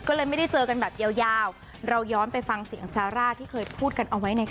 ก็เลยไม่ได้เจอกันแบบยาวเราย้อนไปฟังเสียงซาร่าที่เคยพูดกันเอาไว้หน่อยค่ะ